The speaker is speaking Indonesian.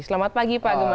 selamat pagi pak gemma